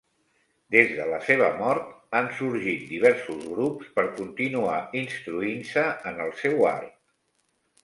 Des de la seva mort, han sorgit diversos grups per continuar instruint-se en el seu art.